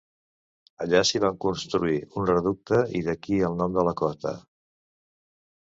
Allà s'hi va construir un reducte i d'aquí el nom de la cota.